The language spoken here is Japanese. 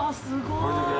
すごい！